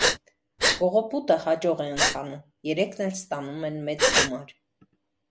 Կողոպոտը հաջող է ընթանում, երեքն էլ ստանում են մեծ գումար։